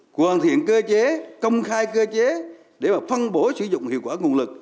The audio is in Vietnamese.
hoàn thiện cơ chế công khai cơ chế để phân bổ sử dụng hiệu quả nguồn lực